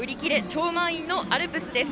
超満員のアルプスです。